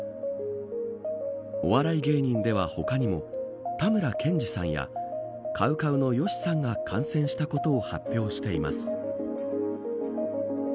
お笑い芸人では他にもたむらけんじさんやＣＯＷＣＯＷの善しさんが感染したことを発表しています。